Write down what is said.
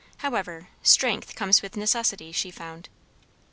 However, strength comes with necessity, she found.